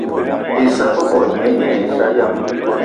Issa bebo gne ane assa ayi ma.